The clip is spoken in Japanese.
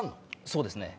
そうですね。